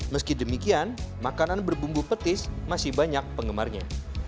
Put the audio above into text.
meski demikian makanan berbumbu petis masih banyak penggemarnya